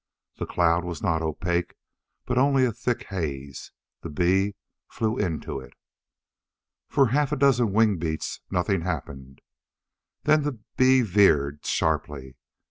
The dust cloud was not opaque, but only a thick haze. The bee flew into it. For half a dozen wing beats nothing happened. Then the bee veered sharply.